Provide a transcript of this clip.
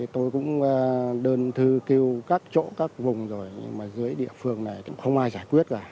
tôi cũng đơn thư kêu các chỗ các vùng rồi nhưng mà dưới địa phương này cũng không ai giải quyết cả